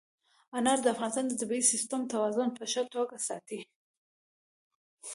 انار د افغانستان د طبعي سیسټم توازن په ښه توګه ساتي.